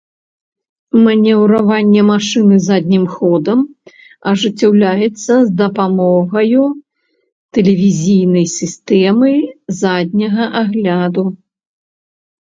Манеўраванне машыны заднім ходам ажыццяўляецца з дапамогаю тэлевізійнай сістэмы задняга агляду.